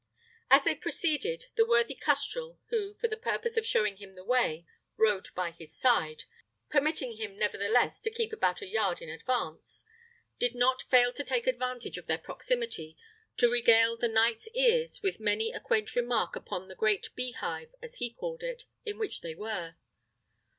As they proceeded, the worthy custrel, who, for the purpose of showing him the way, rode by his side (permitting him, nevertheless, to keep about a yard in advance), did not fail to take advantage of their proximity to regale the knight's ears with many a quaint remark upon the great bee hive, as he called it, in which they were.